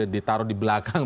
ditaruh di belakang